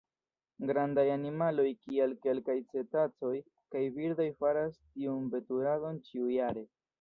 Grandaj animaloj kiaj kelkaj cetacoj kaj birdoj faras tiun veturadon ĉiujare.